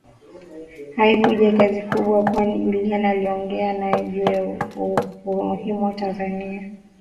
Haikuwa kazi kubwa kwani Juliana aliongea nae juu ya umuhimu wa Tanzania